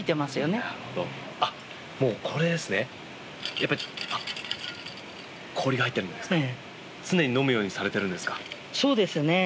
やっぱり氷が入ってるんじゃないですか？